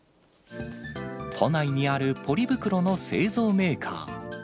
都内にあるポリ袋の製造メーカー。